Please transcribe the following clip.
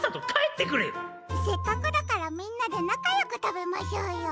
せっかくだからみんなでなかよくたべましょうよ。